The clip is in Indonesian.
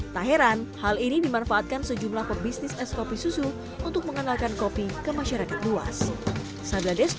tak heran hal ini dimanfaatkan sejumlah pebisnis es kopi susu untuk mengenalkan kopi ke masyarakat luas